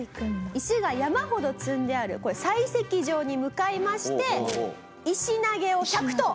石が山ほど積んである採石場に向かいまして石投げを１００投。